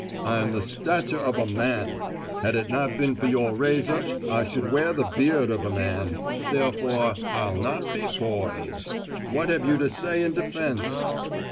I am the stature of a man; had it not been for your razor I should wear the beard of a man; therefore I'll not be boyed. What have you to say in defence?"